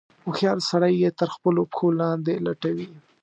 هوښیار سړی یې تر خپلو پښو لاندې لټوي.